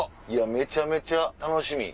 めちゃめちゃ楽しみ。